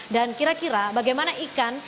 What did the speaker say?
dan kira kira bagaimana ikan